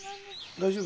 大丈夫？